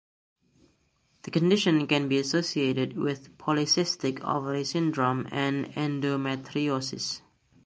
The condition can be associated with Polycystic ovary Syndrome and Endometriosis.